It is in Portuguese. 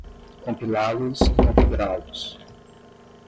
compilá-los e configurá-los